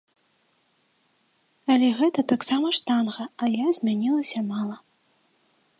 Але гэта таксама штанга, а я змянілася мала.